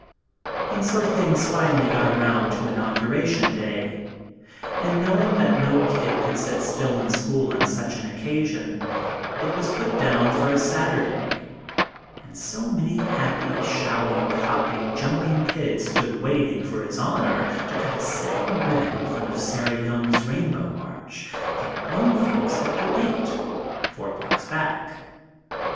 And so things finally got around to Inauguration Day; and, knowing that no kid could sit still in school on such an occasion, it was put down for a Saturday; and, so many happy, shouting, hopping, jumping kids stood waiting for His Honor to cut a satin ribbon in front of Sarah Young's Rainbow Arch, that grown folks had to wait, four blocks back.